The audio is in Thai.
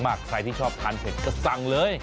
ใครที่ชอบทานเผ็ดก็สั่งเลย